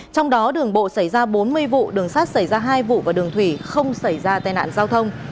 trong đó đường bộ xảy ra bốn mươi vụ đường sát xảy ra hai vụ và đường thủy không xảy ra tai nạn giao thông